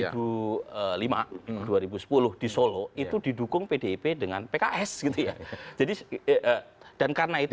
jokowi misalnya dua ribu lima dua ribu sepuluh di solo itu didukung pdip dengan pks gitu ya